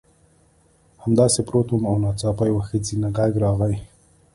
همداسې پروت وم او ناڅاپه یو ښځینه غږ راغی